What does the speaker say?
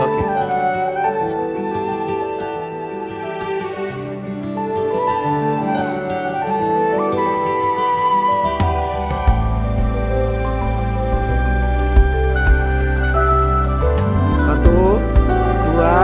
mas al tolong di belakang